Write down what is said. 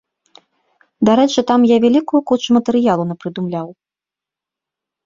Дарэчы там я вялікую кучу матэрыялу напрыдумляў.